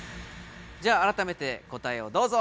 じゃああらためて答えをどうぞ。